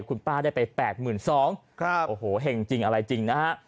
คุณป้าได้ไป๘๒๐๐โอ้โหเห็งจริงอะไรจริงนะฮะ